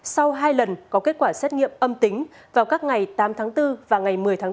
sau hai lần có kết quả xét nghiệm âm tính vào các ngày tám tháng bốn và ngày một mươi tháng bốn